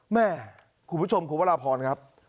แม่คุณผู้ชมคุณพระราบพรนะครับ